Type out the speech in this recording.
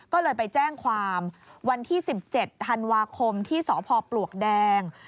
ก็เลยไปแจ้งความวันที่๑๗ธันวาคมที่สพปลวกแดง